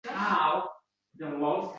Siz qaysi jamiyatda yashayapsiz, o‘zi?